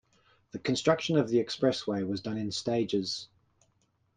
The construction of the expressway was done in stages.